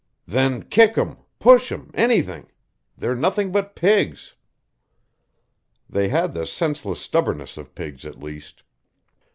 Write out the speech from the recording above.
"Then kick 'em, push 'em anything. They're nothing but pigs." They had the senseless stubbornness of pigs, at least.